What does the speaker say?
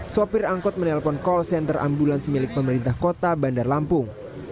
sopir angkot menelpon call center ambulans milik pemerintah kota bandar lampung